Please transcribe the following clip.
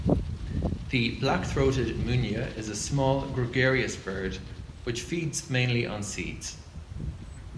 The black-throated munia is a small gregarious bird which feeds mainly on seeds.